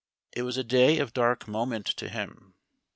It was a day of dark moment to him.